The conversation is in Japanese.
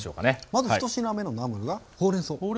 まず１品目のナムルがほうれんそう。